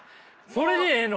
それでええの？